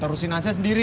terusin aja sendiri